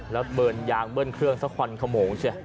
แล้วเบิร์นยางเบิ้ลเครื่องสักควันขโมงใช่ไหม